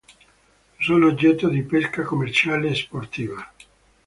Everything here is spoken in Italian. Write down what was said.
Sono oggetto di pesca commerciale e sportiva.